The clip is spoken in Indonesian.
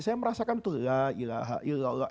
saya merasakan itu ya allah